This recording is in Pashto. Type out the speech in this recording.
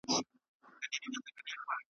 چي شرنګوي په خپله مېنه کي پردۍ زولنې .